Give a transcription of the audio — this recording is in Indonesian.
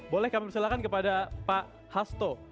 boleh kami persilakan kepada pak hasto